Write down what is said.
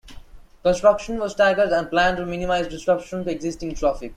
Construction was staggered and planned to minimize disruption to existing traffic.